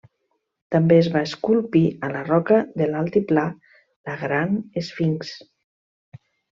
També es va esculpir a la roca de l'altiplà la Gran Esfinx.